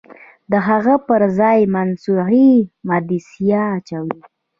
د هغه پرځای مصنوعي عدسیه اچوي.